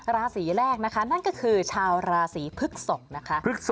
ราศีแรกนะคะนั่นก็คือชาวราศีพฤกษกนะคะ